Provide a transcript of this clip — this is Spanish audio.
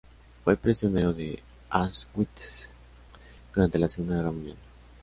Fue prisionero de Auschwitz durante de la Segunda Guerra Mundial.